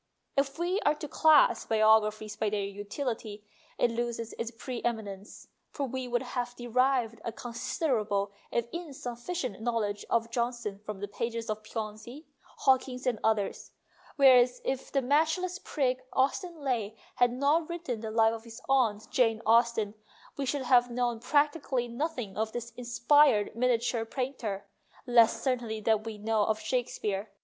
If we are to class biographies by their utility, it loses its pre eminence, for we would have derived a considerable if insufficient know ledge of Johnson from the pages of Piozzi, Hawkins, and others ; whereas if that match less prig Austen Leigh had not written the Life of his aunt Jane Austen, we should have known practically nothing of the inspired miniature painter, less certainly than we know of Shakespeare.